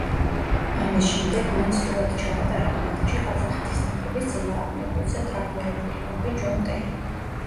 ამის შემდეგ მან სრულად ჩაატარა მატჩი ყაზახეთის ნაკრების წინააღმდეგ, როცა ტრავმირებული იყო ჯონ ტერი.